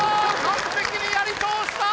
完璧にやり通した！